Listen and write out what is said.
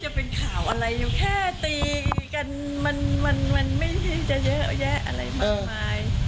จะเป็นข่าวอะไรอยู่แค่ตีกันมันมันไม่ใช่จะเยอะแยะอะไรมากมาย